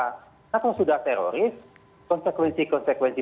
karena kalau sudah teroris konsekuensi konsekuensi